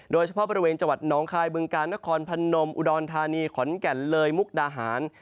โดยเฉพาะบริเวณจังหวัดน้องคายบึงกาลนครพนมอุดรธานีขอนแก่นเลยมุกดาหาร